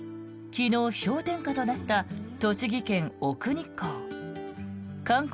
昨日、氷点下となった栃木県・奥日光。